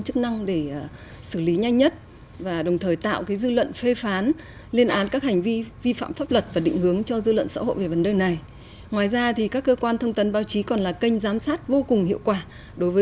cũng như thẳng thắn lên án các hành động vi phạm pháp luật về động vật hoang dã trái phép tại việt nam và trên thế giới